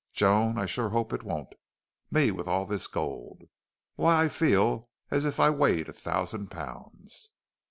Joan, I sure hope it won't. Me with all this gold. Why, I feel as if I weighed a thousand pounds."